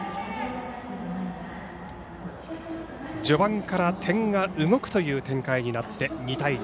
序盤から点が動くという展開になって２対２。